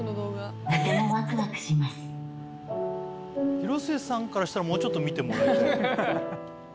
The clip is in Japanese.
広末さんからしたらもうちょっと見てもらいたい。